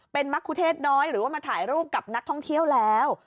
เป็นมะคุเทศน้อยหรือว่ามาถ่ายรูปกับนักท่องเที่ยวแล้ว